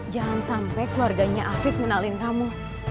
jangan sampai keluarganya afif mengenalin kamu